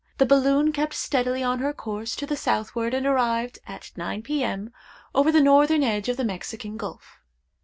The balloon kept steadily on her course to the southward, and arrived, at nine P.M., over the northern edge of the Mexican Gulf.